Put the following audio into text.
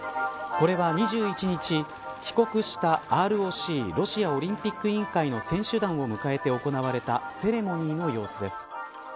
これは２１日帰国したＲＯＣロシアオリンピック委員会の選手団を迎えて行われたセレモニーの様子です。